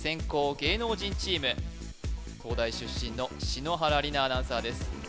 芸能人チーム東大出身の篠原梨菜アナウンサーです